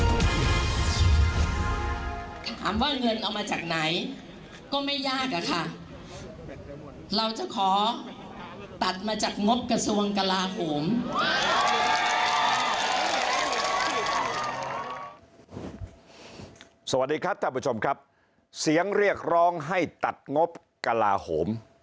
สวัสดีครับท่านผู้ชมครับเสียงเรียกร้องให้ตัดงบกลาโหมเสียงเรียกร้องให้ตัดงบกลาโหม